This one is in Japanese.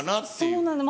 そうなんです。